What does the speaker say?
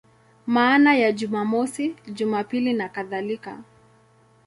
Maana ya Jumamosi, Jumapili nakadhalika.